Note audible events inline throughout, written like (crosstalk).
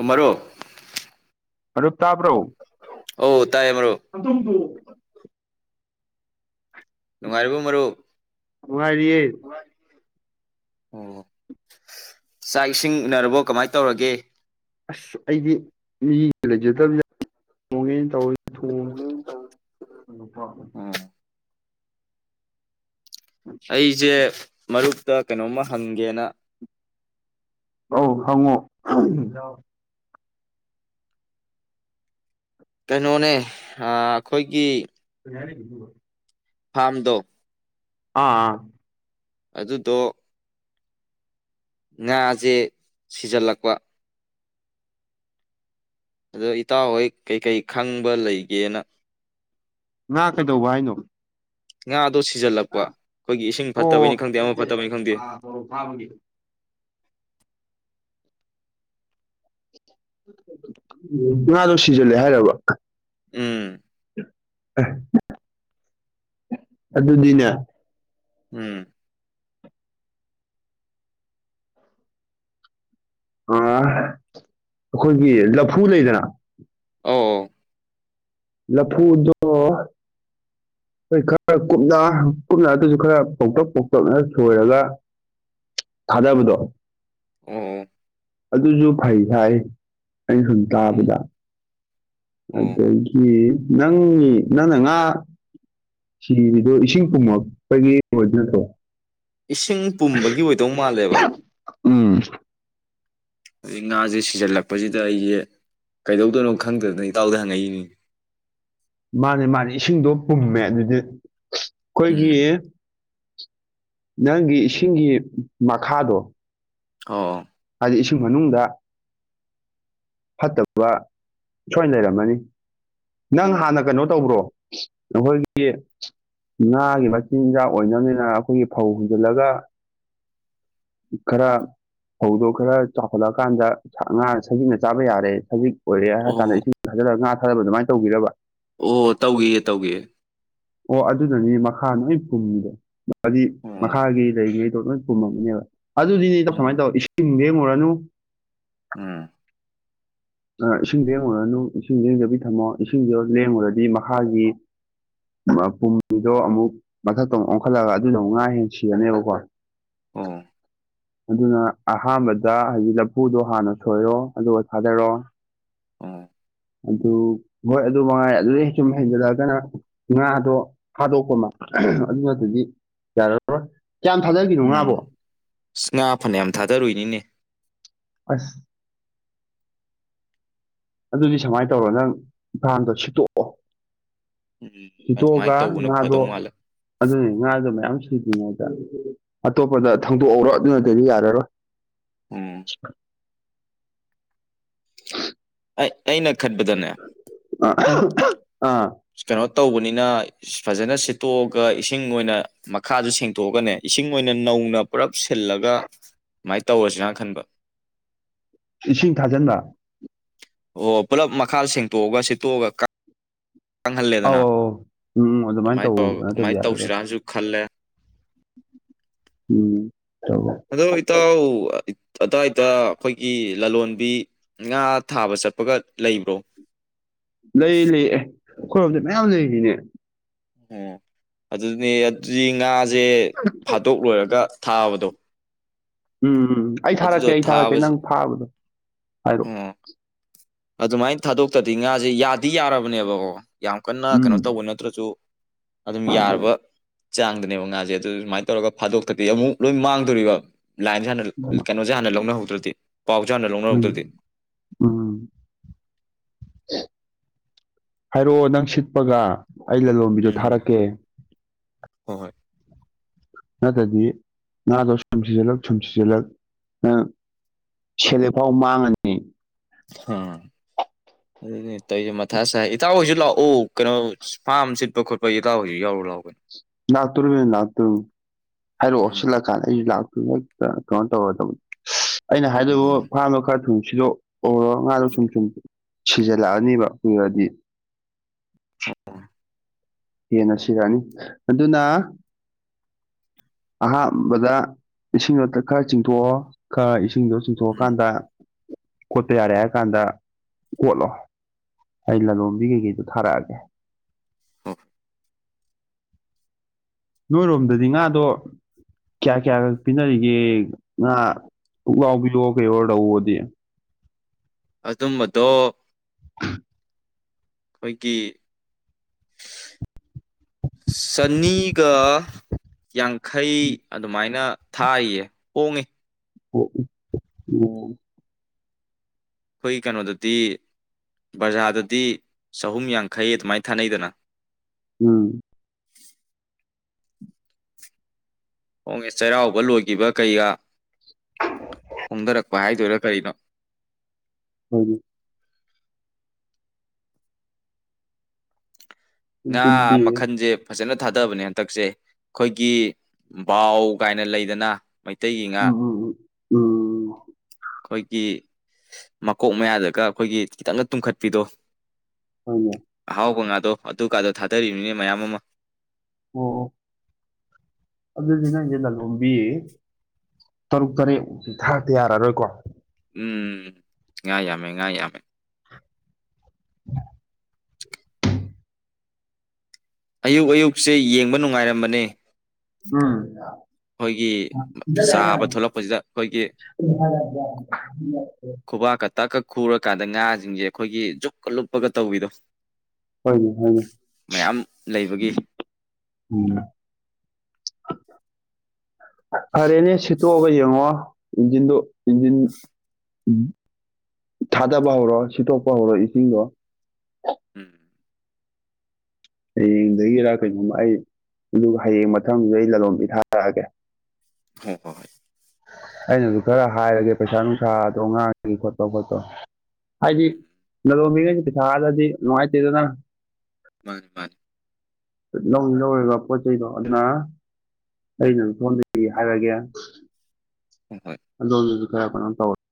ꯎ ꯃꯔꯨꯞ ꯃꯔꯨꯞ ꯇꯥꯕ꯭ꯔꯣ ꯑꯧ ꯇꯥꯏꯌꯦ ꯃꯔꯨꯞ ꯅꯨꯡꯉꯥꯏꯔꯤꯕꯣ ꯃꯔꯨꯞ ꯅꯨꯉꯥꯏꯔꯤꯌꯦ ꯑꯣ ꯆꯥꯛ ꯏꯁꯤꯡ ꯎꯅꯔꯕꯣ ꯀꯃꯥꯏ ꯇꯧꯔꯒꯦ ꯑꯁ ꯑꯩꯗꯤ ꯃꯤ ꯂꯩꯖꯗꯝꯅꯤꯅ ꯊꯣꯡꯉꯦ ꯇꯧ ꯊꯣꯡꯉꯤ ꯑꯣ ꯑꯩꯖꯦ ꯃꯔꯨꯞꯇ ꯀꯩꯅꯣꯝꯃ ꯍꯪꯒꯦꯅ ꯑꯥꯎ ꯍꯪꯉꯣ ꯀꯩꯅꯣꯅꯦ ꯑꯥ ꯑꯩꯈꯣꯏꯒꯤ ꯌꯥꯅꯤ ꯐꯥꯝꯗꯣ ꯑꯥ ꯑꯥ ꯑꯗꯨꯗꯣ ꯉꯥꯖꯦ ꯁꯤꯖꯜꯂꯛꯄ ꯑꯗꯣ ꯏꯇꯥꯎꯍꯣꯏ ꯀꯩꯀꯩ ꯈꯪꯕ ꯂꯩꯒꯦꯅ ꯉꯥ ꯀꯩꯗꯧꯕ ꯍꯥꯏꯅꯣ ꯉꯥ ꯑꯗꯨ ꯁꯤꯖꯤꯜꯂꯛꯄ ꯑꯩꯈꯣꯏꯒꯤ ꯏꯁꯤꯡ ꯐꯠꯇꯕꯩꯅꯤ ꯑꯣ ꯈꯪꯗꯦ ꯑꯃ ꯐꯠꯇꯕꯩꯅꯤ ꯈꯪꯗꯦ ꯎ ꯉꯥꯗꯣ ꯁꯤꯖꯤꯜꯂꯦ ꯍꯥꯏꯔꯕ ꯎꯝ ꯑꯗꯨꯗꯤꯅꯦ ꯎꯝ ꯑ ꯑꯩꯈꯣꯏꯒꯤ ꯂꯐꯨ ꯂꯩꯗꯅ ꯑꯧ ꯂꯐꯨꯗꯣ (inaudible) ꯑꯩꯈꯣꯏ ꯈꯔ ꯀꯨꯞꯅ ꯀꯨꯞꯅ ꯑꯗꯨꯁꯨ ꯈꯔ ꯄꯧꯇꯛ ꯄꯧꯇꯛꯅ ꯁꯣꯏꯔꯒ ꯊꯥꯗꯕꯗꯣ ꯑꯣ ꯑꯗꯨꯁꯨ ꯐꯩ ꯍꯥꯏ ꯑꯩꯅ ꯁꯨꯝ ꯑꯣ ꯇꯥꯕꯗ ꯑꯣ ꯑꯗꯒꯤ ꯅꯪꯒꯤ ꯅꯪꯅ ꯉꯥ ꯁꯤꯔꯤꯗꯣ ꯏꯁꯤꯡ ꯀꯨꯝꯃꯛꯄꯒꯤ ꯑꯣꯏꯗꯣꯏ ꯅꯠꯇ꯭ꯔꯣ ꯏꯁꯤꯡ ꯄꯨꯝꯕꯒꯤ ꯑꯣꯏꯗꯧ ꯃꯥꯜꯂꯦꯕ ꯎꯝ ꯑꯗꯒꯤ ꯉꯥꯖꯦ ꯁꯤꯖꯤꯜꯂꯛꯄꯁꯤꯗ ꯑꯩꯖꯦ ꯀꯩꯗꯧꯗꯣꯏꯅꯣ ꯈꯪꯗꯗꯅ ꯏꯇꯥꯎꯗ ꯍꯪꯉꯛꯏꯅꯤ ꯃꯥꯅꯦ ꯃꯥꯅꯦ ꯏꯁꯤꯡꯗꯣ ꯄꯨꯝꯃꯦ ꯑꯗꯨꯗꯤ ꯑꯩꯈꯣꯏꯒꯤ ꯎꯝ ꯅꯪꯒꯤ ꯏꯁꯤꯡꯒꯤ ꯃꯈꯥꯗꯣ ꯑꯥꯎ ꯍꯥꯏꯗꯤ ꯏꯁꯤꯡ ꯃꯅꯨꯡꯗ ꯐꯠꯇꯕ ꯁꯣꯏꯅ ꯂꯩꯔꯝꯃꯅꯤ ꯅꯪ ꯎꯝ ꯍꯥꯟꯅ ꯀꯩꯅꯣ ꯇꯧꯕ꯭ꯔꯣ ꯅꯍꯣꯏꯒꯤ ꯉꯥꯒꯤ ꯃꯆꯤꯟꯖꯥꯛ ꯑꯣꯏꯅꯕꯅꯤꯅ ꯑꯩꯈꯣꯏꯒꯤ ꯐꯧ ꯍꯨꯟꯖꯤꯜꯂꯒ ꯈꯔ ꯐꯧꯗꯣ ꯈꯔ ꯆꯥꯎꯈꯠꯂꯛꯀꯥꯟꯗ ꯉꯥ ꯁꯖꯤꯛꯅ ꯆꯥꯕ ꯌꯥꯔꯦ ꯁꯖꯤꯛ ꯑꯣꯏꯔꯦ ꯍꯥꯏꯔ ꯀꯥꯟꯗ ꯑꯣ ꯏꯁꯤꯡ ꯊꯥꯖꯂꯒ ꯉꯥ ꯊꯥꯗꯕ ꯑꯗꯨꯃꯥꯏꯅ ꯇꯧꯕꯤꯔꯕ ꯑꯣ ꯇꯧꯒꯤꯌꯦ ꯇꯧꯒꯤꯌꯦ ꯑꯣ ꯑꯗꯨꯗꯅꯤ ꯃꯈꯥ ꯅꯣꯏ ꯄꯨꯝꯃꯤꯗꯣ ꯑꯣ ꯎꯝ ꯃꯈꯥꯒꯤ ꯂꯩꯉꯩ ꯂꯣꯏ ꯄꯨꯝꯃꯝꯃꯅꯦꯕ ꯑꯗꯨꯗꯤꯅꯦ ꯎꯝ ꯀꯃꯥꯏꯅ ꯇꯧ ꯏꯁꯤꯡ ꯂꯦꯡꯉꯨꯔꯅꯨ ꯎꯝ ꯏꯁꯤꯡ ꯂꯦꯡꯉꯨꯔꯅꯨ ꯏꯁꯤꯡ ꯂꯦꯡꯗꯕꯤ ꯊꯝꯃꯣ ꯏꯁꯤꯡꯗ ꯂꯦꯡꯉꯨꯔꯗꯤ ꯃꯈꯥꯒꯤ ꯄꯨꯝꯃꯤꯗꯣ ꯑꯃꯨꯛ ꯃꯊꯛꯇ ꯑꯃꯨꯛ ꯑꯣꯟꯈꯠꯂꯒ ꯑꯗꯨꯗꯣ ꯑꯃꯨꯛ ꯉꯥ ꯍꯦꯟ ꯁꯤꯔꯅꯦꯕꯀꯣ ꯑꯣ ꯑꯗꯨꯅ ꯑꯍꯥꯟꯕꯗ ꯍꯧꯖꯤꯛ ꯂꯐꯨꯗꯣ ꯍꯥꯟꯅ ꯁꯣꯏꯔꯣ ꯑꯗꯨꯒ ꯊꯥꯗꯔꯣ ꯑꯣ ꯑꯗꯨ ꯍꯣꯏ ꯑꯗꯨ ꯃꯉꯥꯏ ꯑꯗꯨꯩ ꯁꯨꯝ ꯍꯦꯟꯖꯜꯂꯛꯑꯒꯅ ꯉꯥꯗꯣ ꯐꯥꯗꯣꯛꯄ ꯑꯃ ꯑꯗꯨ ꯅꯠꯇꯔꯗꯤ ꯌꯥꯔꯔꯣꯏ ꯀꯌꯥꯝ ꯊꯥꯗꯈꯤꯅꯣ ꯎꯝ ꯉꯥꯕꯣ ꯉꯥ ꯐꯅꯌꯥꯝ ꯊꯥꯗꯔꯨꯏꯅꯤꯅꯦ ꯑꯁ ꯑꯗꯨꯗꯤ ꯁꯨꯃꯥꯏꯅ ꯇꯧꯔꯣ ꯅꯪ ꯏꯝꯐꯥꯜꯗꯣ ꯁꯤꯠꯇꯣꯛꯑꯣ ꯎꯝ ꯑꯗꯨꯃꯥꯏꯅ ꯁꯤꯠꯇꯣꯛꯑꯒ ꯇꯧꯕꯅ ꯉꯥꯗꯣ ꯐꯗꯧ ꯃꯥꯜꯂꯦ ꯑꯗꯨꯅꯤ ꯉꯥꯗꯣ ꯃꯌꯥꯝ ꯁꯤꯗ꯭ꯔꯤꯉꯩꯗ ꯑꯇꯣꯞꯄꯗ ꯊꯪꯗꯣꯛꯍꯧꯔꯣ ꯑꯗꯨꯅꯗꯗꯤ ꯌꯥꯔꯔꯣꯏ (inaudible) ꯎꯝ ꯑꯩ ꯑꯩꯅ ꯈꯟꯕꯗꯅꯦ ꯑꯥ ꯀꯩꯅꯣ ꯇꯧꯕꯅꯤꯅ ꯐꯖꯅ ꯁꯤꯠꯇꯣꯛꯑꯒ ꯏꯁꯤꯡ ꯑꯣꯏꯅ ꯃꯈꯥꯁꯨ ꯁꯦꯡꯇꯣꯛꯑꯒꯅꯦ ꯏꯁꯤꯡ ꯑꯣꯏꯅ ꯅꯧ ꯅꯧꯅ ꯄꯨꯜꯂꯞ ꯁꯤꯜꯂꯒ ꯁꯨꯃꯥꯏꯅ ꯇꯧꯔꯁꯤꯅꯅ ꯈꯟꯕ ꯏꯁꯤꯡ ꯊꯥꯖꯤꯟꯕ ꯑꯣ ꯄꯨꯜꯂꯞ ꯃꯈꯥ ꯁꯦꯡꯇꯣꯛꯑꯒ ꯁꯤꯠꯇꯣꯛꯑꯒ ꯑꯧ ꯀꯪꯍꯜꯂꯦꯗꯅ ꯑꯧ ꯑꯧ ꯎꯝ ꯎꯝ ꯑꯗꯨꯃꯥꯏꯅ ꯇꯧ ꯇꯧꯔ ꯅꯠꯇ꯭ꯔꯗꯤ ꯑꯗꯨꯃꯥꯏꯅ ꯌꯥꯔꯔꯣꯏ ꯇꯧꯁꯤꯔꯅꯁꯨ ꯈꯜꯂꯦ ꯎꯝ ꯇꯧꯔꯣ ꯑꯗꯣ ꯏꯇꯥꯎ ꯑꯗꯨꯋꯥꯏꯗ ꯑꯩꯈꯣꯏꯒꯤ ꯂꯂꯣꯟꯕꯤ ꯉꯥ ꯊꯥꯕ ꯆꯠꯄꯒ ꯂꯩꯕ꯭ꯔꯣ (inaudible) ꯂꯩ ꯂꯩ ꯑꯦ ꯑꯩꯈꯣꯏꯔꯣꯝꯁꯦ ꯃꯌꯥꯝ ꯂꯩꯔꯤꯅꯦ ꯑꯣ ꯑꯗꯨꯅꯦ ꯑꯗꯨꯗꯤ ꯉꯥꯁꯦ ꯐꯥꯗꯣꯛꯂꯣꯏꯔꯒ ꯊꯥꯕꯗꯣ ꯎꯝ ꯎꯝ ꯑꯩ ꯑꯗꯨꯗꯣ ꯊꯥꯔꯛꯀꯦ ꯑꯩ ꯊꯥꯔꯛꯀꯦ ꯊꯥꯕꯁꯦ ꯅꯪ ꯊꯥꯕꯗꯣ ꯍꯥꯏꯔꯛꯑꯣ ꯑꯣ ꯑꯗꯨꯃꯥꯏꯅ ꯊꯥꯗꯣꯛꯇꯗꯤ ꯉꯥꯁꯦ ꯌꯥꯗꯤ ꯌꯥꯔꯕꯅꯦꯕꯀꯣ ꯌꯥꯝ ꯀꯟꯅ ꯎꯝ ꯀꯩꯅꯣ ꯇꯧꯕ ꯅꯠꯇ꯭ꯔꯁꯨ ꯑꯗꯨꯝ ꯌꯥꯔꯕ ꯆꯥꯡꯗꯅꯦꯕ ꯉꯥꯖꯦ ꯑꯗꯨ ꯁꯨꯃꯥꯏꯅ ꯇꯧꯔꯒ ꯐꯥꯗꯣꯛꯇ꯭ꯔꯗꯤ ꯑꯃꯨꯛ ꯂꯣꯏ ꯃꯥꯡꯗꯣꯔꯤꯕ ꯂꯥꯏꯟꯖꯦ ꯍꯥꯟꯅ ꯀꯩꯅꯣꯖꯦ ꯍꯥꯟꯅ ꯂꯧꯅꯍꯧꯗ꯭ꯔꯗꯤ ꯄꯥꯎꯖꯦ ꯍꯥꯟꯅ ꯍꯣꯏꯅꯦ ꯂꯧꯅꯍꯧꯗ꯭ꯔꯗꯤ ꯎꯝ ꯍꯥꯏꯔꯛꯑꯣ ꯅꯪ ꯁꯤꯠꯄꯒ ꯑꯩ ꯂꯂꯣꯟꯕꯤꯗꯣ ꯎꯝ ꯊꯥꯔꯛꯀꯦ ꯍꯣꯏ ꯍꯣꯏ ꯅꯠꯇ꯭ꯔꯗꯤ ꯉꯥꯗꯣ ꯁꯨꯝ ꯁꯤꯖꯤꯜꯂꯛ ꯁꯨꯝ ꯁꯤꯖꯤꯜꯂꯛ ꯅꯪ ꯁꯦꯂꯦꯞꯐꯥꯎ ꯃꯥꯡꯉꯅꯤ ꯑꯥ ꯑꯗꯨꯅꯦ ꯇꯧꯏꯖꯦ ꯃꯊꯥ ꯁꯥꯏ ꯏꯇꯥꯎꯍꯣꯏꯖꯨ ꯂꯥꯛꯑꯣ ꯀꯩꯅꯣ ꯐꯥꯔꯝ ꯁꯤꯠꯄ ꯈꯣꯠꯄꯒꯤ ꯏꯇꯥꯎꯁꯨ ꯌꯥꯎꯔꯛ ꯂꯥꯎ ꯀꯩꯅꯣ ꯂꯥꯛꯇꯣꯔꯨꯝꯅꯦ ꯂꯥꯛꯇꯣꯔꯨꯝ ꯍꯥꯏꯔꯛꯑꯣ ꯎꯝ ꯁꯤꯜꯂꯀꯥꯟꯗ ꯑꯩꯁꯨ ꯂꯥꯛꯇ ꯍꯦꯛꯇ ꯀꯩꯅꯣ ꯇꯧꯔꯗꯕꯅꯤ ꯑꯩꯅ ꯍꯥꯏꯗꯣꯏꯕꯨ ꯎꯝ ꯐꯥꯔꯝꯕ ꯈꯔ ꯊꯨ ꯁꯤꯠꯂꯣ ꯑꯣ ꯉꯥꯗꯨ ꯁꯨꯝ ꯁꯨꯝ ꯁꯤꯖꯤꯜꯂꯛꯑꯅꯤꯕ ꯀꯨꯏꯔꯗꯤ ꯑꯣ ꯍꯦꯟꯅ ꯁꯤꯔꯅꯤ ꯑꯗꯨꯅ ꯑꯍꯥꯟꯕꯗ ꯏꯁꯤꯡ ꯑꯇ ꯈꯔ ꯆꯤꯡꯊꯣꯛꯑꯣ ꯈꯔ ꯏꯁꯤꯡ ꯏꯁꯤꯡꯗꯣ ꯎꯝ ꯆꯤꯡꯊꯣꯛꯑꯀꯥꯟꯗ ꯈꯣꯠꯄ ꯌꯥꯔꯦ ꯍꯥꯏꯔ ꯀꯥꯟꯗ ꯀꯣꯠꯂꯣ ꯑꯩ ꯂꯂꯣꯟꯕꯤ ꯀꯩꯀꯩꯗꯨ ꯊꯥꯔꯛꯑꯒꯦ ꯍꯣ ꯅꯣꯏꯔꯣꯝꯗꯗꯤ ꯉꯥꯗꯣ ꯀꯌꯥ ꯀꯌꯥ ꯈꯛ ꯄꯤꯅꯔꯤꯒꯦ ꯉꯥ ꯄꯨꯛꯂꯥꯎꯕꯤꯌꯣ ꯀꯩꯌꯣ ꯔꯧꯒꯗꯤ ꯑꯗꯨꯝꯕꯗꯣ ꯑꯩꯈꯣꯏꯒꯤ ꯆꯟꯅꯤꯒ ꯌꯥꯡꯈꯩ ꯑꯗꯨꯃꯥꯏꯅ ꯊꯥꯏꯌꯦ ꯍꯣꯡꯉꯦ ꯑꯣ ꯑꯣ ꯍꯣꯏ ꯀꯩꯅꯣꯗꯗꯤ ꯕꯖꯥꯔꯗꯗꯤ ꯆꯍꯨꯝ ꯌꯥꯡꯈꯩ ꯑꯗꯨꯃꯥꯏꯅ ꯊꯥꯅꯩꯗꯅ ꯎꯝ ꯍꯣꯡꯉꯦ ꯆꯩꯔꯥꯎꯕ ꯂꯣꯏꯒꯤꯕ ꯀꯩꯒ ꯍꯣꯡꯗꯔꯛꯄ ꯍꯥꯏꯗꯣꯏꯔꯥ ꯀꯔꯤꯅꯣ ꯍꯣꯏ ꯉꯥ ꯑꯗꯨꯗꯤ ꯃꯈꯟꯦ ꯐꯖꯅ ꯊꯥꯗꯕꯅꯦ ꯍꯟꯗꯛꯁꯦ ꯑꯩꯈꯣꯏꯒꯤ ꯕꯥꯎ ꯀꯥꯏꯅ ꯂꯩꯗꯅ ꯃꯩꯇꯩꯒꯤ ꯉꯥ ꯎꯝ ꯎꯝ ꯎꯝ ꯑꯩꯈꯣꯏꯒꯤ ꯃꯀꯣꯛ ꯃꯌꯥꯗꯒ ꯑꯩꯈꯣꯏꯒꯤ ꯈꯤꯇꯪꯒ ꯇꯨꯝꯈꯠꯄꯤꯗꯣ ꯍꯣꯏꯅꯦ ꯑꯍꯥꯎꯕ ꯉꯥꯗꯣ ꯑꯗꯨꯀꯥꯗꯣ ꯊꯥꯗꯔꯤꯕꯅꯤꯅꯦ ꯃꯌꯥꯝ ꯑꯃ ꯎꯝ ꯎꯝ ꯑꯗꯨꯗꯤ ꯅꯪꯖꯦ ꯂꯂꯣꯟꯕꯤ ꯇꯔꯨꯛ ꯇꯔꯦꯠ ꯃꯨꯛꯇꯤ ꯊꯥꯔꯛꯇ ꯌꯥꯔꯔꯣꯏꯀꯣ ꯎꯝ ꯉꯥ ꯌꯥꯝꯃꯦ ꯉꯥ ꯌꯥꯝꯃꯦ (inaudible) ꯑꯌꯨꯛ ꯑꯌꯨꯛꯁꯦ ꯌꯦꯡꯕ ꯅꯨꯡꯉꯥꯏꯔꯝꯕꯅꯦ ꯎꯝ ꯑꯩꯈꯣꯏꯒꯤ ꯆꯥꯕ ꯊꯣꯛꯂꯛꯄꯁꯤꯗ ꯑꯩꯈꯣꯏꯒꯤ (unintelligible) ꯈꯨꯕꯥꯛꯀ ꯇꯛꯀ ꯈꯨꯔ ꯀꯥꯟꯗ ꯉꯥꯁꯤꯡꯁꯦ ꯑꯩꯈꯣꯏꯒꯤ ꯖꯨꯞꯀ ꯂꯨꯞꯄꯒ ꯇꯧꯕꯤꯗꯣ ꯍꯣꯏꯅꯦ ꯍꯣꯏꯅꯦ ꯃꯌꯥꯝ ꯂꯩꯕꯒꯤ ꯎꯝ (inaudible) ꯐꯔꯦꯅꯦ ꯁꯤꯠꯇꯣꯛꯑꯒ ꯌꯦꯡꯉꯣ ꯏꯟꯖꯤꯟꯗꯨ ꯏꯟꯖꯤꯟ ꯊꯥꯗꯕ ꯍꯧꯔꯣ ꯁꯤꯠꯇꯣꯛꯄ ꯍꯧꯔꯣ ꯏꯁꯤꯡꯗꯣ ꯎꯝ ꯍꯌꯦꯡꯗꯒꯤꯔ ꯀꯩꯅꯣꯝꯃ ꯑꯩ ꯑꯗꯨꯒ ꯍꯌꯦꯡ ꯃꯊꯪꯗ ꯑꯩ ꯂꯂꯣꯟꯕꯤ ꯊꯥꯔꯛꯑꯒꯦ ꯍꯣ ꯍꯣꯏ ꯍꯣꯏ ꯑꯩꯅꯁꯨ ꯈꯔ ꯍꯥꯏꯔꯒꯦ ꯄꯩꯁꯥ ꯅꯨꯡꯁꯥꯗꯣ ꯉꯥ ꯆꯤꯡ ꯈꯣꯠꯄꯗꯣ ꯍꯥꯏꯗꯤ ꯎꯝ ꯂꯂꯣꯡꯕꯤꯔꯁꯤ ꯄꯩꯁꯥꯗꯗꯤ ꯅꯨꯡꯉꯥꯏꯇꯦꯗꯗꯅ ꯃꯥꯅꯤ ꯃꯥꯅꯤ ꯂꯧꯅꯤ ꯂꯧꯔꯒ ꯄꯣꯠꯆꯩꯩꯗꯣ ꯑꯗꯨꯅ ꯑꯩꯅ ꯁꯣꯝꯗꯒꯤ ꯍꯥꯏꯔꯛꯒꯦ ꯍꯣꯏ ꯍꯣꯏ ꯑꯗꯣꯝꯗꯨꯁꯨ ꯈꯔ ꯀꯩꯅꯣꯝ ꯇꯧꯔ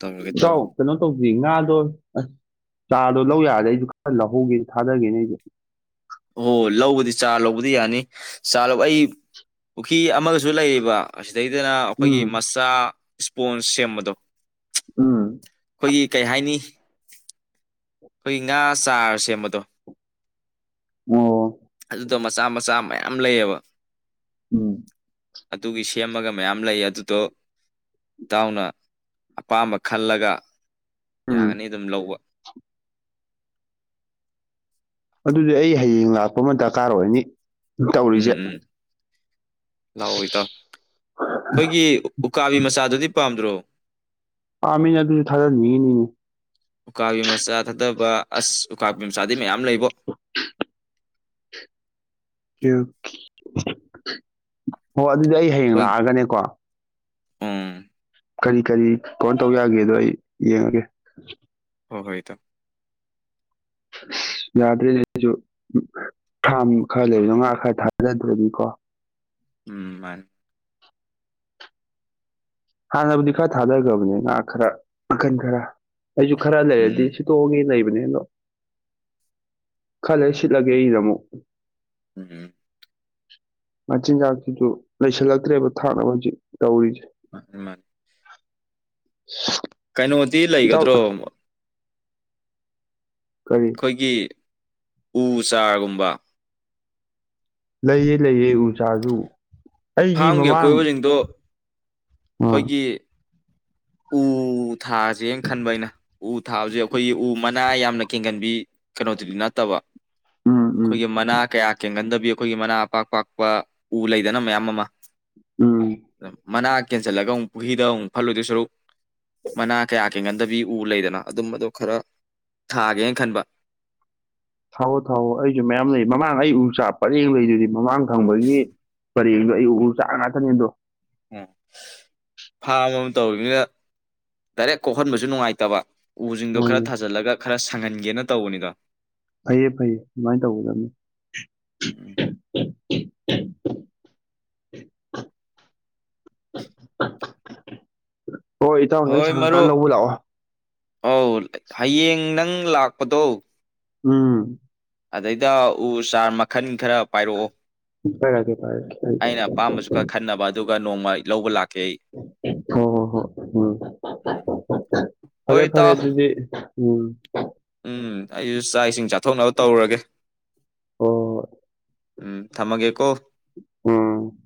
ꯇꯧꯔꯒꯦ ꯆꯥꯎ ꯇꯧꯔꯒꯦ ꯀꯩꯅꯣ ꯇꯧ ꯑꯗꯨꯗꯤ ꯉꯥꯗꯣ ꯑꯁ ꯆꯥꯗꯣ ꯂꯧ ꯌꯥꯔꯗꯤ ꯑꯩꯁꯨ ꯈꯔ ꯂꯧꯍꯧꯒꯦꯅ ꯊꯥꯗꯒꯦꯅꯦ ꯑꯩꯗꯣ ꯑꯣ ꯂꯧꯕꯗꯤ ꯆꯥꯔ ꯂꯧꯕꯗꯤ ꯌꯥꯅꯤ ꯆꯥꯔ ꯂꯧꯕ ꯑꯩ ꯄꯨꯈ꯭ꯔꯤ ꯑꯃꯒꯁꯨ ꯂꯩꯔꯤꯕ ꯑꯁꯤ ꯁꯤꯗꯩꯗꯅ ꯑꯩꯈꯣꯏꯒꯤ ꯎꯝ ꯃꯆꯥ ꯏꯁꯄꯣꯟꯁ ꯁꯦꯝꯕꯗꯣ ꯎꯝ ꯑꯩꯈꯣꯏꯒꯤ ꯀꯩ ꯍꯥꯏꯅꯤ ꯑꯩꯈꯣꯏ ꯉꯥ ꯆꯥꯔ ꯁꯦꯝꯕꯗꯣ ꯑꯣ ꯑꯗꯨꯗ ꯃꯆꯥ ꯃꯆꯥ ꯃꯌꯥꯝ ꯂꯩꯌꯦꯕ ꯎꯝ ꯑꯗꯨꯒꯤ ꯁꯦꯝꯃꯒ ꯃꯌꯥꯝ ꯂꯩ ꯑꯗꯨꯗꯣ ꯏꯇꯥꯎꯅ ꯑꯄꯥꯝꯕ ꯈꯜꯂꯒ ꯎꯝ ꯌꯥꯒꯅꯤ ꯑꯗꯨꯝ ꯂꯧꯕ ꯑꯗꯨꯗꯤ ꯑꯩ ꯍꯌꯦꯡ ꯂꯥꯛꯄ ꯑꯃ ꯗꯔꯀꯥꯔ ꯑꯣꯏꯅꯤ ꯇꯧꯔꯤꯁꯦ ꯎꯝ ꯎꯝ ꯂꯥꯛꯑꯣ ꯏꯇꯥꯎ ꯑꯩꯈꯣꯏꯒꯤ ꯎꯀꯥꯕꯤ ꯃꯆꯥꯗꯨꯗꯤ ꯄꯥꯝꯗ꯭ꯔꯣ ꯄꯥꯝꯃꯤꯅꯦ ꯑꯗꯨꯁꯨ ꯊꯥꯗꯅꯤꯡꯉꯤꯃꯤꯅꯦ ꯐꯠꯇꯕ ꯑꯁ ꯎꯀꯥ ꯃꯆꯥꯗꯤ ꯃꯌꯥꯝ ꯂꯩꯕꯣ ꯎ ꯍꯣꯏ ꯑꯗꯨꯗꯤ ꯑꯩ ꯍꯌꯦꯡ ꯍꯣꯏ ꯂꯥꯛꯑꯒꯅꯦꯀꯣ ꯎꯝ ꯀꯔꯤ ꯀꯔꯤ ꯀꯅ ꯇꯧ ꯌꯥꯒꯦꯗꯣ ꯑꯩ ꯌꯦꯡꯉꯒꯦ ꯍꯣꯏ ꯍꯣꯏ ꯏꯇꯥꯎ (inaudible) ꯌꯥꯗ꯭ꯔꯦꯅꯦꯁꯨ ꯐꯥꯝ ꯈꯔ ꯂꯩꯕꯗꯣ ꯉꯥ ꯈꯔ ꯊꯥꯖꯗ꯭ꯔꯅꯤꯀꯣ ꯎꯝ ꯃꯥꯅꯦ ꯍꯥꯟꯅꯕꯨꯗꯤ ꯈꯔ ꯊꯥꯗꯈ꯭ꯔꯕꯅꯦ ꯉꯥ ꯈꯔ ꯃꯈꯟ ꯈꯔ ꯑꯩꯁꯨ ꯈꯔ ꯂꯩꯔꯗꯤ ꯎꯝ ꯁꯤꯠꯇꯣꯛꯑꯒꯦ ꯂꯩꯕ ꯗꯣ ꯈꯔ ꯂꯩꯔ ꯁꯤꯠꯂꯒꯦ ꯑꯩꯒꯤꯗꯣ ꯑꯃꯨꯛ ꯎꯝ ꯃꯆꯤꯟꯖꯥꯛꯁꯤꯁꯨ ꯂꯩꯁꯤꯜꯂꯛꯇ꯭ꯔꯦꯕ ꯊꯥꯅꯕ ꯍꯧꯖꯤꯛ ꯇꯧꯔꯤꯖꯦ ꯍꯩꯃꯥ (unintelligible) ꯀꯩꯅꯣꯗꯤ ꯏꯇꯥꯎ ꯂꯩꯒꯗ꯭ꯔꯣ ꯀꯔꯤ ꯑꯩꯈꯣꯏꯒꯤ ꯎ ꯆꯥꯔꯒꯨꯝꯕ ꯂꯩꯌꯦ ꯂꯩꯌꯦ ꯎꯆꯥꯔꯖꯨ ꯑꯩꯒꯤ ꯐꯥꯝꯒꯤ ꯃꯃꯥꯡ ꯑꯀꯣꯏꯕꯁꯤꯡꯗꯣ ꯑꯥ ꯑꯩꯈꯣꯏꯒꯤ ꯎ ꯎ ꯊꯥꯖꯦꯅ ꯈꯟꯕ ꯑꯩꯅ ꯎ ꯊꯥꯕꯖꯦ ꯑꯈꯣꯏꯒꯤ ꯎ ꯃꯅꯥ ꯌꯥꯝꯅ ꯀꯦꯟꯒꯟꯕꯤ ꯀꯩꯅꯣꯗꯨꯗꯤ ꯅꯠꯇꯕ ꯎꯝ ꯎꯝ ꯑꯈꯣꯏꯒꯤ ꯃꯅꯥ ꯀꯌꯥ ꯀꯦꯟꯒꯟꯗꯕꯤ ꯑꯈꯣꯏꯒꯤ ꯃꯅꯥ ꯑꯄꯥꯛ ꯄꯥꯛꯄ ꯎ ꯂꯩꯗꯅ ꯃꯌꯥꯝ ꯑꯃ ꯎꯝ ꯃꯅꯥ ꯀꯦꯟꯖꯜꯂꯒ ꯑꯃꯨꯛ ꯄꯨꯈ꯭ꯔꯤꯗ ꯑꯃꯨꯛ ꯐꯠꯂꯣꯗꯣꯏ ꯁꯔꯨꯛ ꯃꯅꯥ ꯀꯌꯥ ꯀꯦꯟꯒꯟ ꯗꯕꯤ ꯎ ꯂꯩꯗꯅ ꯑꯗꯨꯝꯕꯗꯣ ꯈꯔ ꯊꯥꯒꯦꯅ ꯈꯟꯕ ꯊꯥꯎꯋꯣ ꯊꯥꯎꯋꯣ ꯑꯩꯖꯨ ꯃꯌꯥꯝ ꯂꯩ ꯃꯃꯥꯡ ꯑꯩ ꯎ ꯆꯥꯔ ꯄꯔꯦꯡ ꯂꯩꯗꯨꯗꯤ ꯃꯃꯥꯡ ꯊꯪꯕꯒꯤ ꯄꯔꯦꯡꯗꯣ ꯑꯩ ꯎ ꯆꯥꯔ ꯉꯥꯛꯇꯅꯤ ꯑꯗꯣ ꯎꯝ ꯐꯥꯝ ꯑꯃ ꯇꯧꯔꯤꯖꯤꯅ ꯗꯥꯏꯔꯦꯛ ꯀꯣꯛꯍꯟꯕꯁꯨ ꯅꯨꯡꯉꯥꯏꯇꯕ ꯎꯖꯤꯡꯗꯣ ꯈꯔ ꯍꯣꯏꯅꯦ ꯊꯥꯖꯤꯜꯂꯒ ꯈꯔ ꯁꯪꯍꯟꯒꯦꯅ ꯇꯧꯕꯅꯤꯗ ꯐꯩꯌꯦ ꯐꯩꯌꯦ ꯑꯗꯨꯃꯥꯏꯟ ꯇꯧꯒꯗꯕꯅꯤ ꯍꯣꯏ ꯏꯇꯥꯎꯅ ꯍꯦꯛ ꯁꯪꯉꯀꯥꯟ ꯂꯧꯕ ꯂꯥꯛꯑꯣ ꯑꯧ ꯍꯌꯦꯡ ꯅꯪ ꯂꯥꯛꯄꯗꯣ ꯎꯝ ꯑꯗꯩꯗ ꯎ ꯆꯥꯔ ꯃꯈꯟ ꯈꯔ ꯄꯥꯏꯔꯛꯑꯣ ꯎꯝ ꯄꯥꯢꯔꯛꯑꯒꯦ ꯑꯩꯅ ꯑꯄꯥꯝꯕꯁꯨ ꯈꯔ ꯈꯟꯅꯕ ꯑꯗꯨꯒ ꯅꯣꯡꯃ ꯑꯩ ꯂꯧꯕ ꯂꯥꯛ ꯍꯣ ꯍꯣ ꯍꯣ ꯎꯝ ꯎꯝ ꯍꯣꯏ ꯐꯔꯦ ꯐꯔꯦ ꯏꯇꯥꯎ ꯑꯗꯨꯗꯤ ꯎꯝ ꯎꯝ ꯑꯩꯖꯨ ꯆꯥꯛ ꯏꯁꯤꯡ ꯆꯥꯊꯣꯛꯅꯕ ꯇꯧꯔꯨꯔꯒꯦ ꯍꯣꯏ ꯍꯣꯏ ꯎꯝ ꯊꯝꯃꯒꯦꯀꯣ ꯎꯝ